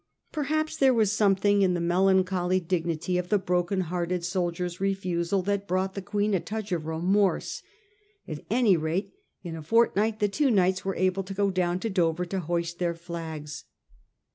Perhaps there was something in the melancholy XII AN EXTRA ORDINAR V COINCIDENCE 1 77 dignity of the broken hearted soldier's refusal that brought the Queen a touch of remorse ; at any rate, in a fortnight the two knights were able to go down to Dover to hoist their flags.